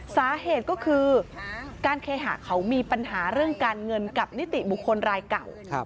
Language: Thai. สาเหตุก็คือการเคหะเขามีปัญหาเรื่องการเงินกับนิติบุคคลรายเก่า